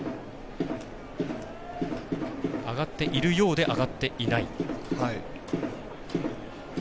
上がっているようで上がっていない。